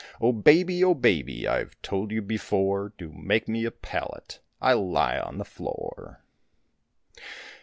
O Baby, O Baby, I've told you before, Do make me a pallet, I'll lie on the floor.